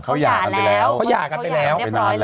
เขาหย่ากันไปแล้วเขาหย่ากันไปแล้ว